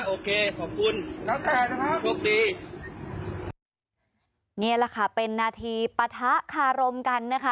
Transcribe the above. โอเคขอบคุณโชคดีนี่แหละค่ะเป็นนาทีปะทะคารมกันนะคะ